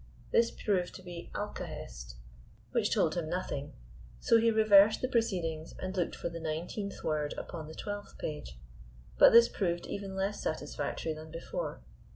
This proved to be "Alkahest," which told him nothing. So he reversed the proceedings and looked for the nineteenth word upon the twelfth page; but this proved even less satisfactory than before.